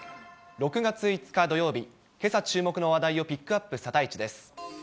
６月５日土曜日、けさ注目の話題をピックアップ、サタイチです。